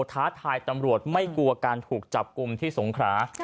ท้าทายตำรวจไม่กลัวการถูกจับกลุ่มที่สงขรา